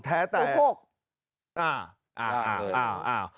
อ่าอ่าอ่า